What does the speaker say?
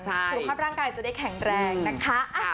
สุขภาพร่างกายจะได้แข็งแรงนะคะ